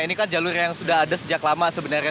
ini kan jalur yang sudah ada sejak lama sebenarnya